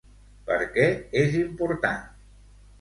Per què és important?